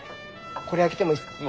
これ開けてもいいですか？